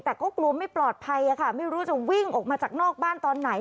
แต่ก็กลัวไม่ปลอดภัยค่ะไม่รู้จะวิ่งออกมาจากนอกบ้านตอนไหน